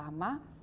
agak beberapa lama